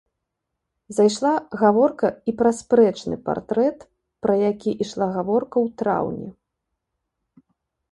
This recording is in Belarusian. Зайшла гаворка і пра спрэчны партрэт, пра які ішла гаворка ў траўні.